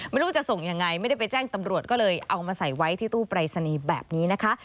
ไม่รู้จะส่งยังไงไม่ได้ไปแจ้งตำรวจก็เลยเอามาใส่ไว้ที่ตู้ปรายศนีย์แบบนี้นะคะ